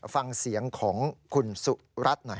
ฟังเสียงของคุณสุรัตน์หน่อย